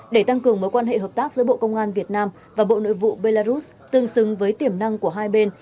để tăng cường mối quan hệ hợp tác giữa bộ công an việt nam và bộ nội vụ belarus tương xứng với tiềm năng của hai bên